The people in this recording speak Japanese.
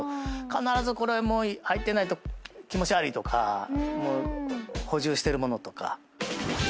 必ずこれ入ってないと気持ち悪いとか補充してるものとか。